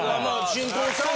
新婚さんよ。